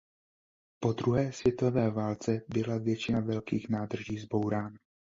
Po druhé světové válce byla většina velkých nádrží zbourána.